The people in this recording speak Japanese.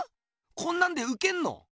こんなんでウケんの？